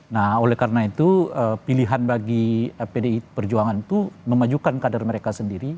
nah oleh karena itu pilihan bagi pdi perjuangan itu memajukan kader mereka sendiri